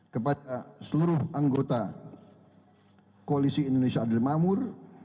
kepada seluruh anggota koalisi indonesia adil makmur